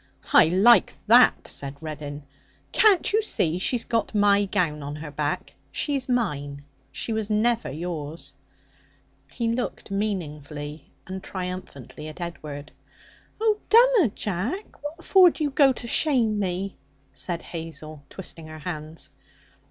'I like that,' said Reddin. 'Can't you see she's got my gown on her back? She's mine. She was never yours.' He looked meaningly and triumphantly at Edward. 'Oh, dunna, Jack! What for do you go to shame me?' said Hazel, twisting her hands.